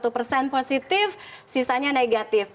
sembilan puluh satu persen positif sisanya negatif